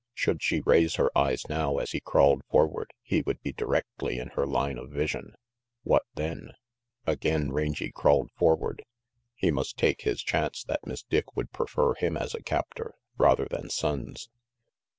Should she raise her eyes now as he crawled forward, he would be directly in her line of vision. What then? Again Rangy crawled forward. He must take his chance that Miss Dick would prefer him as a captor rather than Sonnes.